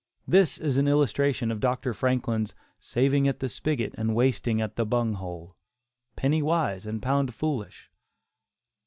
This is an illustration of Dr. Franklin's "saving at the spigot and wasting at the bung hole"; "penny wise and pound foolish."